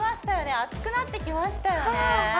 暑くなってきましたよねはあ